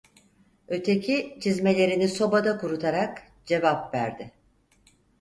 Öteki, çizmelerini sobada kurutarak, cevap verdi…